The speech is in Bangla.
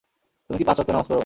তুমি কি পাঁচ ওয়াক্ত নামাজ পড়ো।